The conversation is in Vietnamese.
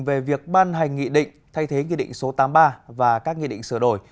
về việc ban hành nghị định thay thế nghị định số tám mươi ba và các nghị định sửa đổi